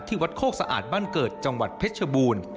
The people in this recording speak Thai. วัดโคกสะอาดบ้านเกิดจังหวัดเพชรบูรณ์